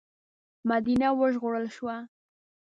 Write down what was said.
مدینه وژغورل شوه.